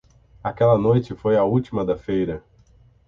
Aquela noite foi a última da feira.